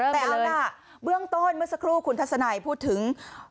แต่เอาล่ะเบื้องต้นเมื่อสักครู่คุณทัศนัยพูดถึง